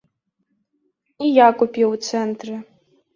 І я купіў у цэнтры.